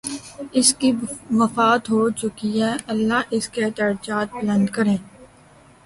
اس کی وفات ہو چکی ہے، اللہ اس کے درجات بلند کرے۔